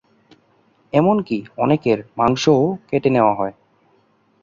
এমন কি অনেকের মাংস ও কেটে নেয়া হই।